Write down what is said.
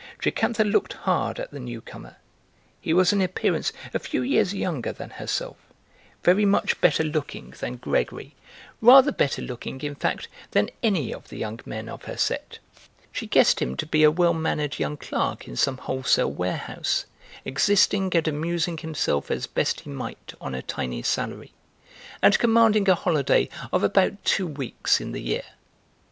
Jocantha looked hard at the new comer; he was in appearance a few years younger than herself, very much better looking than Gregory, rather better looking, in fact, than any of the young men of her set. She guessed him to be a well mannered young clerk in some wholesale warehouse, existing and amusing himself as best he might on a tiny salary, and commanding a holiday of about two weeks in the year.